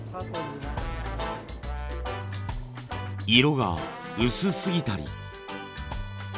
色が薄すぎたり。